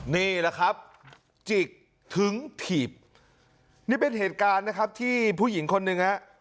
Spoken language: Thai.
นี่แหละครับจิกถึงถีบนี่เป็นเหตุการณ์นะครับที่ผู้หญิงคนหนึ่งฮะ